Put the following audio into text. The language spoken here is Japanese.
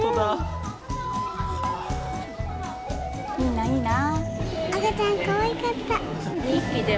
いいな、いいな。